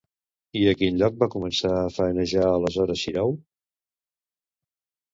I a quin lloc va començar a faenejar aleshores Xirau?